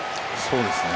そうですね。